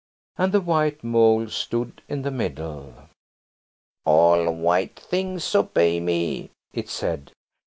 And the white Mole stood in the middle. "All white things obey me," it said.